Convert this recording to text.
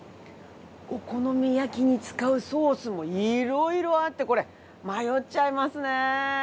お好み焼きに使うソースも色々あってこれ迷っちゃいますね。